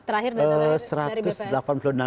terakhir dari bpn